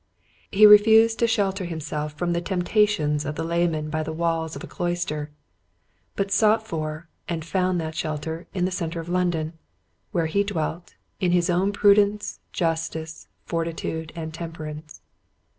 He refused to shelter himself from the temptations of the layman by the walls of a cloister, but sought for, and found that shelter in the centre of London, where he dwelt, in his own prudence, justice, fortitude, and temperance.